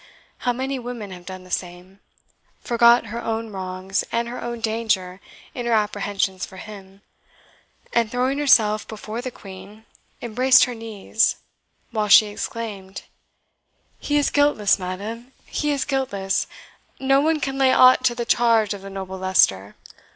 how many women have done the same) forgot her own wrongs and her own danger in her apprehensions for him, and throwing herself before the Queen, embraced her knees, while she exclaimed, "He is guiltless, madam he is guiltless; no one can lay aught to the charge of the noble Leicester!"